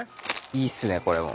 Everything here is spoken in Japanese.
いいっすねこれも。